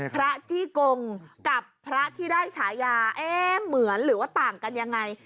จี้กงกับพระที่ได้ฉายาเอ๊ะเหมือนหรือว่าต่างกันยังไง